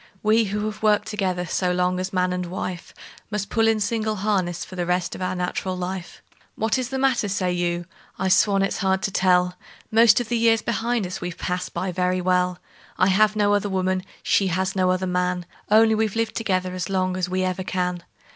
We, who have worked together so long as man and wife, Must pull in single harness for the rest of our nat'ral life. "What is the matter?" say you. I swan it's hard to tell! Most of the years behind us we've passed by very well; I have no other woman, she has no other man Only we've lived together as long as we ever can.